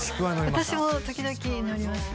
私も時々乗りますね